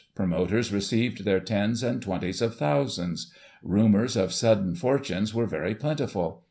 Promoters received their tens and twenties of thousands. Rumours of sudden fortunes were very plentiful.